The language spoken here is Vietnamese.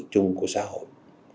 trung của xã hội